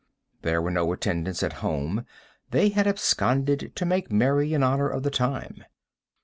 There were no attendants at home; they had absconded to make merry in honor of the time.